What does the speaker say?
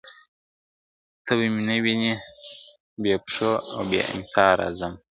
ته به مي نه وینې بې پښو او بې امسا راځمه ..